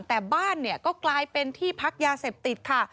แต่บ้านเนี่ยก็กลายเป็นที่พักยาเสพติดค่ะ